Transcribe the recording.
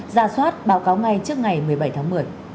ra soát báo cáo ngay trước ngày một mươi bảy tháng một mươi